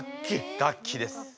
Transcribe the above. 楽器です。